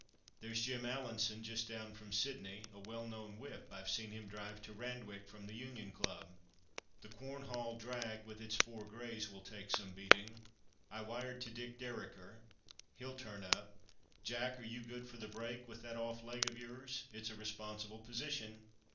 There's Jim Allanson just down from Sydney, a well known whip, I've seen him drive to Randwick from the Union Club. The Quorn Hall drag with its four greys will take some beating. I wired to Dick Dereker, he'll turn up. Jack, are you good for the brake, with that off leg of yours? It's a responsible position."